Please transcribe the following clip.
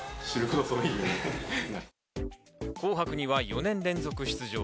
『紅白』には４年連続出場。